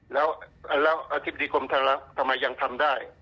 แล้วอธิบดีกรมธนลักษณ์ทำไมยังทำได้